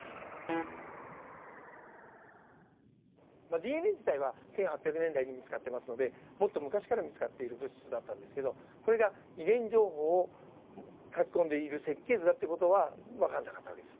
ＤＮＡ自体は１８００年代に見つかってますのでもっと昔から見つかっている物質だったんですけどこれが遺伝情報を書き込んでいる設計図だって事は分かんなかった訳です。